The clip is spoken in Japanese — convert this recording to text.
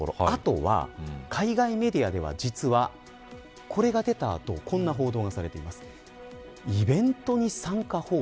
あとは海外メディアでは実はこれが出た後こんな報道がされています。